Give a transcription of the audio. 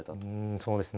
そうですね。